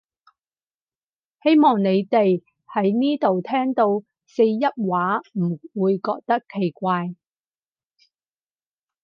希望你哋喺呢度聽到四邑話唔會覺得奇怪